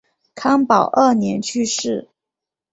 康保二年去世。